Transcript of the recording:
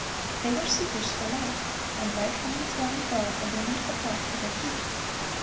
(513) They were seekers for light, and light from the throne of God illumined the path for their feet.